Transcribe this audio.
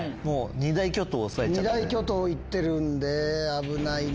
二大巨頭行ってるんで危ない。